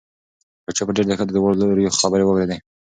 پاچا په ډېر دقت د دواړو لوریو خبرې واورېدې.